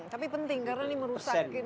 tapi penting karena ini merusak